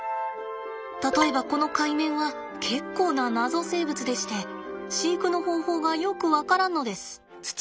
例えばこのカイメンは結構な謎生物でして飼育の方法がよく分からんのです。